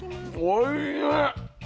おいしい。